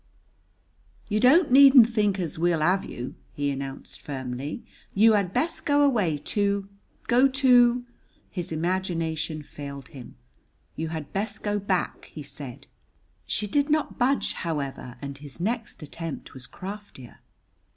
"You don't needn't think as we'll have you," he announced, firmly. "You had best go away to go to " His imagination failed him. "You had best go back," he said. She did not budge, however, and his next attempt was craftier.